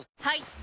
はい！